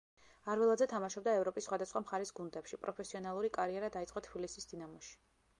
არველაძე თამაშობდა ევროპის სხვადასხვა მხარის გუნდებში, პროფესიონალური კარიერა დაიწყო თბილისის „დინამოში“.